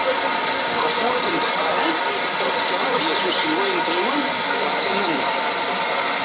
Ɣef wakk-n d-qqaren, azekka ad d-yas uselway n tɣiwant ɣer tama-nneɣ.